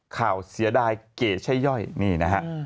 เสียดายเก๋ใช่ย่อยนี่นะฮะ